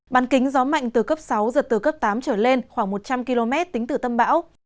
bàn kính gió mạnh từ cấp sáu giật từ cấp tám trở lên khoảng một trăm linh km tính từ tâm bão